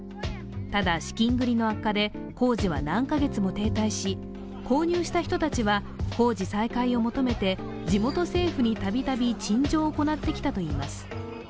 ただ、資金繰りの悪化で工事は何カ月も停滞し、購入した人たちは工事再開を求めて地元政府にたびたび陳情を行ってきたといいます。